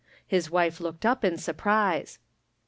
His wife looked up in surprise.